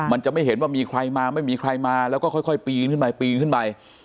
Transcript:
มันจะไม่เห็นว่ามีใครมาไม่มีใครมาแล้วก็ค่อยปีนขึ้นไปปีนขึ้นไป